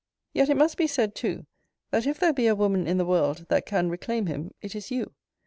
Yet it must be said too, that if there be a woman in the world that can reclaim him, it is you.